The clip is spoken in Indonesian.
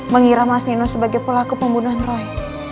mengira mas nino sebagai pelaku pembunuhan roy